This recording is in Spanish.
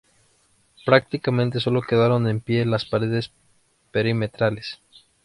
Prácticamente sólo quedaron en pie las paredes perimetrales.